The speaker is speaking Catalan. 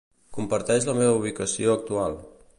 Comparteix la meva ubicació actual.